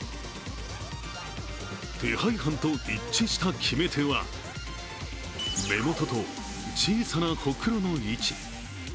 手配犯と一致した決め手は目元と小さなほくろの位置。